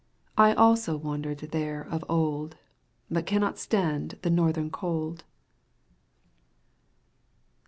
I also wandered there of old. But cannot stand the northern cold.